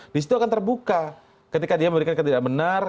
di situ akan terbuka ketika dia memberikan ketidakbenar